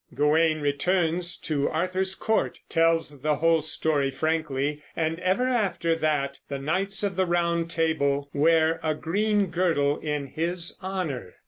Gawain returns to Arthur's court, tells the whole story frankly, and ever after that the knights of the Round Table wear a green girdle in his honor.